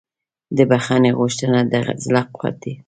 د بښنې غوښتنه د زړه قوت دی.